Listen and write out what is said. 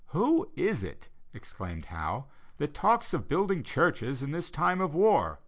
"Who is it," exclaimed Howe, "that talks of building churches in this time of war?"